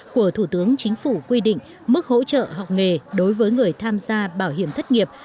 của thủ tướng chính phủ quy định mức hỗ trợ học nghề đối với người tham gia bảo hiểm thất nghiệp